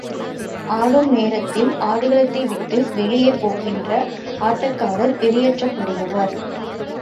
ஆடும் நேரத்தில் ஆடுகளத்தை விட்டு வெளியே போகின்ற ஆட்டக்காரர் வெளியேற்றப்படுவார்.